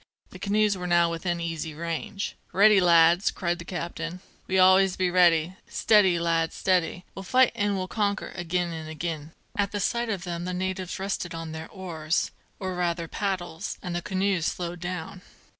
The canoes were now within easy range. "Ready, lads," cried the captain: "We always be ready, Steady, lads, steady! We'll fight an' we'll conquer agin and agin!" Up went the muskets. At sight of them the natives rested on their oars, or rather paddles, and the canoes slowed down.